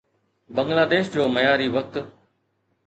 بنگلاديش جو معياري وقت